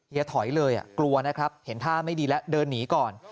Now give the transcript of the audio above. อย่าถอยเลยกลัวนะครับเห็นท่าไม่ดีแล้วเดินหนีก่อน